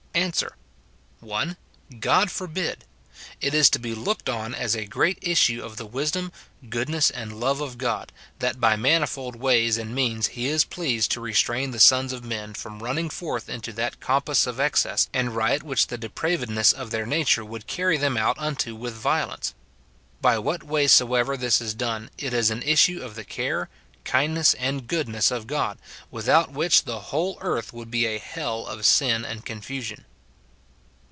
Ans. 1. God forbid ! It is to be looked on as a great issue of the wisdom, goodness, and love of God, that by manifold ways and means he is pleased to restrain the 18* 210 MORTIFICATION OF sons of men from running forth into that compass of excess and riot which the depravedness of their nature would carry them out unto with violence. By what way soever this is done, it is an issue of the care, kindness, and goodness of God, without which the whole earth would be a hell of sin and confusion.